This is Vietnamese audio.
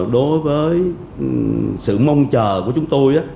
đối với sự mong chờ của chúng tôi